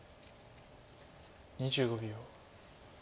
２５秒。